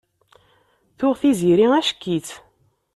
Tuɣ Tiziri ack-itt.